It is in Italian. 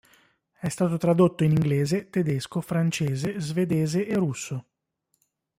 È stato tradotto in inglese, tedesco, francese, svedese e russo.